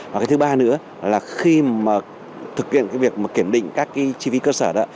và cái thứ ba nữa là khi thực hiện việc kiểm định các chi phí cơ sở đó